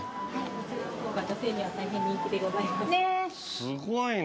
すごいな。